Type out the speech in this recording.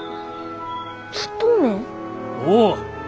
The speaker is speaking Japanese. おう！